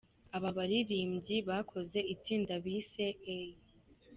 Aba baririmbyi bakoze itsinda bise "A.